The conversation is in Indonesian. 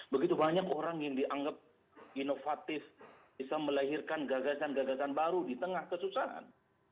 begitu banyak orang yang dianggap inovatif bisa melahirkan gagasan gagasan baru di tengah kesusahan